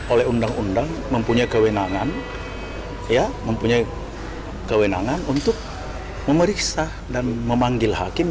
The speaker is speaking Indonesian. oleh undang undang mempunyai kewenangan mempunyai kewenangan untuk memeriksa dan memanggil hakim